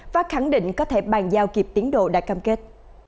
và khẳng định có thể bàn giao kịp tiến độ đã cam kết